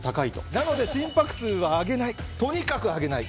なので、心拍数は上げない、とにかく上げない。